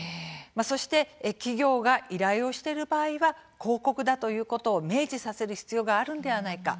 そして、企業が依頼をしている場合は広告だということを明示させる必要があるんではないか。